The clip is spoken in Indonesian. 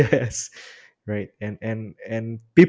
dan orang seperti anda